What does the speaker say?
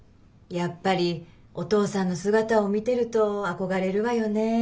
やっぱりお父さんの姿を見てると憧れるわよね。